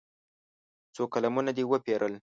څو قلمونه دې وپېرل.